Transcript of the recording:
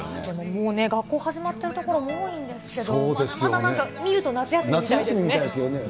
もうね、学校始まってる所多いんですけど、まだまだ見ると夏休みみたいですよね。